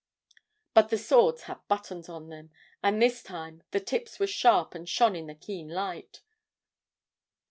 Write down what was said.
But the swords had buttons on them, and this time the tips were sharp and shone in the keen light.